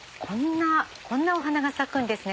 こんなお花が咲くんですね